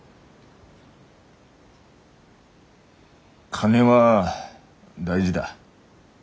金は大事だ。